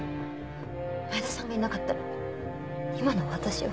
前田さんがいなかったら今の私は。